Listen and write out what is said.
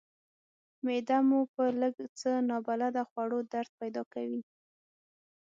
معده مو په لږ څه نابلده خوړو درد پیدا کوي.